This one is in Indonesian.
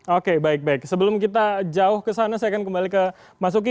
oke baik baik sebelum kita jauh ke sana saya akan kembali ke mas uki